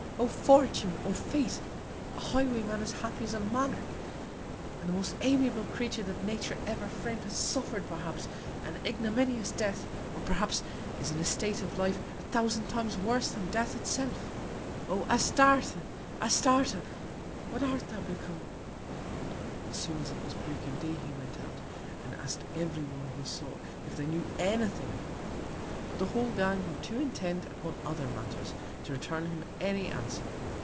O Fortune! O Fate! a Highwayman as happy as a Monarch! and the most amiable Creature that Nature ever fram'd has suffer'd perhaps, an ignominious Death, or perhaps, is in a State of Life a thousand Times worse than Death itself! O Astarte! Astarte! What art thou become? As soon as it was Break of Day he went out, and ask'd every one he saw if they knew any Thing of her: But the whole Gang were too intent upon other Matters, to return him any Answer.